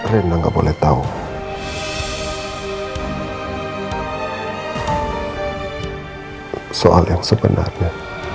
saya akan bulat harimau untuk baik baiknya